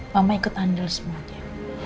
mama ikut andel semua